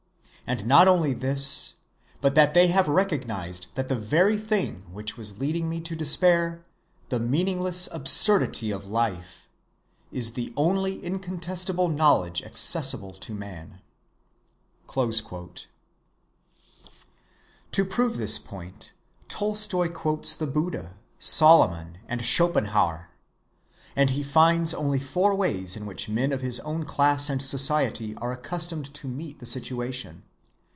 And not only this, but that they have recognized that the very thing which was leading me to despair—the meaningless absurdity of life—is the only incontestable knowledge accessible to man." To prove this point, Tolstoy quotes the Buddha, Solomon, and Schopenhauer. And he finds only four ways in which men of his own class and society are accustomed to meet the situation.